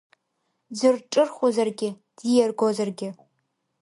Ӡәыр дҿырхуазаргьы, диаргозаргьы…